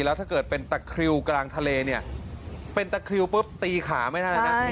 แล้วถ้าเกิดเป็นตะคริวกลางทะเลเนี่ยเป็นตะคริวปุ๊บตีขาไม่ได้นะ